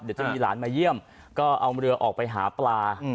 เดี๋ยวจะมีหลานมาเยี่ยมก็เอาเรือออกไปหาปลา